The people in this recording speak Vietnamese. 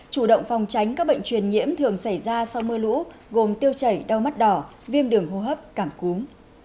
chủ động phòng tránh các bệnh truyền nhiễm thường xảy ra sau mưa lũ gồm tiêu chảy đau mắt đỏ viêm đường hô hấp cảm cúm